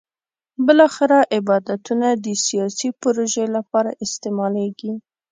بالاخره عبادتونه د سیاسي پروژې لپاره استعمالېږي.